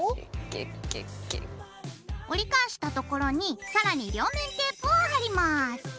折り返したところに更に両面テープを貼ります。